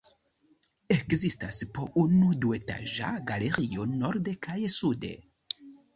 Ekzistas po unu duetaĝa galerio norde kaj sude.